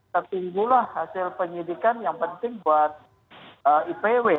tertunggulah hasil penyidikan yang penting buat ipw